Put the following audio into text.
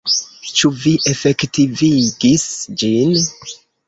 Ĉu vi efektivigis ĝin?